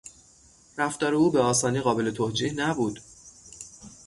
رفتار او به آسانی قابل توجیه نبود.